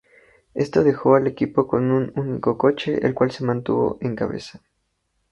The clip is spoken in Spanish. Esto dejó al equipo con un único coche, el cual se mantuvo en cabeza.